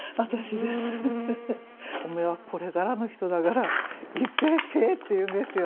「おめえはこれからの人だからいっぺえ食え」って言うんですよ。